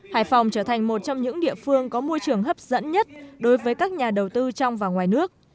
hải phòng trở thành một trong những địa phương có môi trường hấp dẫn nhất đối với các nhà đầu tư trong và ngoài nước